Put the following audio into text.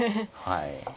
はい。